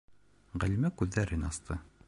Ғәлимә күҙҙәрен асты.